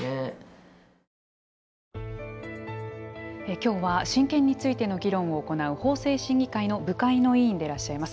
今日は、親権についての議論を行う、法制審議会の部会の委員でいらっしゃいます